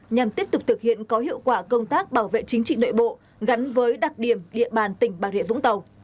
nhằm tiếp tục thực hiện có hiệu quả công tác bảo vệ chính trị nội bộ gắn với đặc điểm địa bàn tỉnh bà rịa vũng tàu